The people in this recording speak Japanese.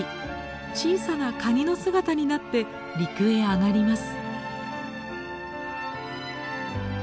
小さなカニの姿になって陸へ上がります。